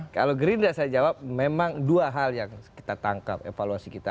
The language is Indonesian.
kalau gerindra saya jawab memang dua hal yang kita tangkap evaluasi kita